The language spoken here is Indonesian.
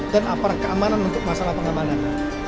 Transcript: aparat keamanan untuk masalah pengamanan